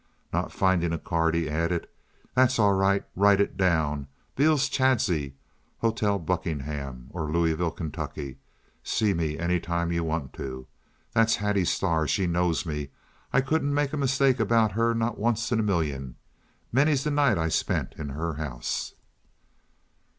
Not finding a card, he added: "Tha's all right. Write it down. Beales Chadsey, Hotel Buckingham, or Louisville, Kentucky. See me any time you want to. Tha's Hattie Starr. She knows me. I couldn't make a mistake about her—not once in a million. Many's the night I spent in her house."